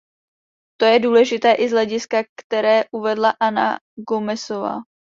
To je důležité i z hlediska, které uvedla Ana Gomesová.